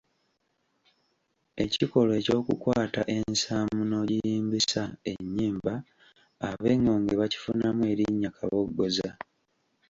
Ekikolwa ekyokukwata ensaamu n’ogiyimbisa ennyimba eb’Engonge bakifunamu erinnya Kabogozza.